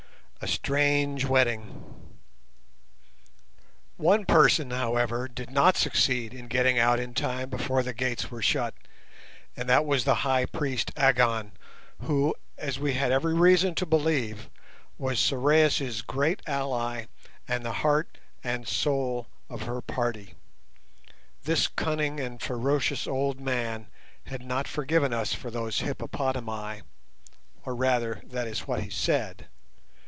A STRANGE WEDDING One person, however, did not succeed in getting out in time before the gates were shut, and that was the High Priest Agon, who, as we had every reason to believe, was Sorais' great ally, and the heart and soul of her party. This cunning and ferocious old man had not forgiven us for those hippopotami, or rather that was what he said.